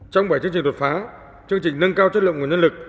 trong bảy chương trình đột phá chương trình nâng cao chất lượng nguồn nhân lực